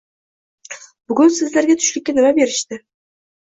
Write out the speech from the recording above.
Bugun sizlarga tushlikka nima berishdi?